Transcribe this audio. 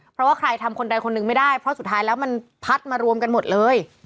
เพราะว่าใครทำคนใดคนหนึ่งไม่ได้เพราะสุดท้ายแล้วมันพัดมารวมกันหมดเลย